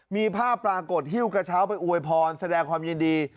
มีภาพปรากฏหิ้วกระเช้าไปอวยพรแสดงความยินดี